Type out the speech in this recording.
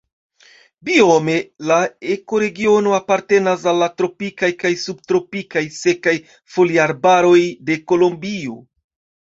Biome la ekoregiono apartenas al la tropikaj kaj subtropikaj sekaj foliarbaroj de Kolombio.